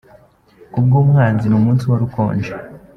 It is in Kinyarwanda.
Ku bw’umwanzi, ni umunsi uhora ukonje.